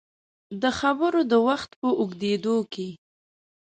د خبرو د وخت په اوږدو کې